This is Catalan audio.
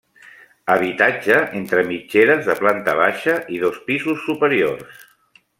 Habitatge entre mitgeres de planta baixa i dos pisos superiors.